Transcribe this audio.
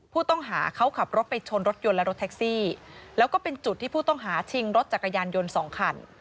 ผู้ต้องหาเขาขับรถไปชนรถยนต์และรถแท็กซี่แล้วก็เป็นจุดที่ผู้ต้องหาชิงรถจักรยานยนต์สองคัน